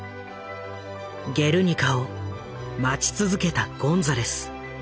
「ゲルニカ」を待ち続けたゴンザレス。